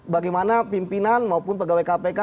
bagaimana pimpinan maupun pegawai kpk